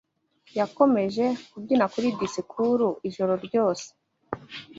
Yakomeje kubyina kuri disikuru ijoro ryose